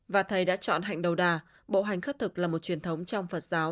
và thầy đã chọn hành đầu đà bộ hành khất thực là một truyền thống trong phật giáo